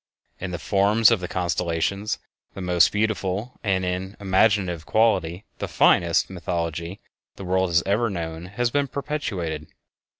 In the forms of the constellations, the most beautiful, and, in imaginative quality, the finest, mythology that the world has ever known has been perpetuated.